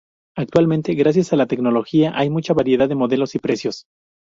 Actualmente, gracias a la tecnología hay mucha variedad de modelos y precios.